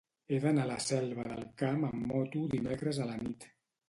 He d'anar a la Selva del Camp amb moto dimecres a la nit.